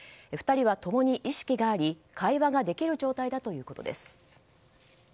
２人はともに意識があり会話ができる状態だということです。